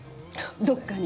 どっかに。